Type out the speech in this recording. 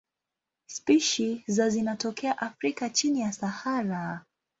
Spishi za zinatokea Afrika chini ya Sahara.